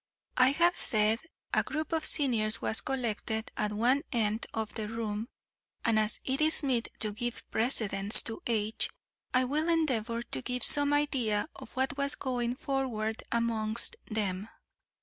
I have said a group of seniors was collected at one end of the room, and, as it is meet to give precedence to age, I will endeavour to give some idea of what was going forward amongst them.